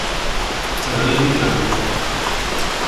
Terra-yi deg uɛewwiq.